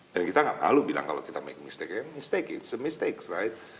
dan kita nggak perlu bilang kalau kita make mistake ya mistake it's a mistake right